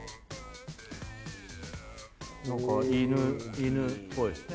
何か犬犬っぽいですね。